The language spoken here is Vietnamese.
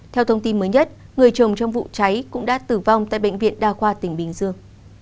theo thông tin mới nhất người chồng trong vụ cháy cũng đã tử vong tại bệnh viện đa khoa tỉnh bình dương